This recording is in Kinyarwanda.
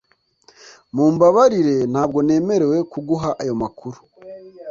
Mumbabarire ntabwo nemerewe kuguha ayo makuru